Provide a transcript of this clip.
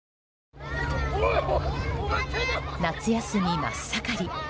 夏休み真っ盛り。